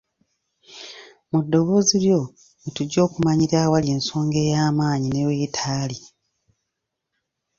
Mu ddoboozi lyo mwe tujja okumanyira awali ensonga ey'amaanyi ne weetali.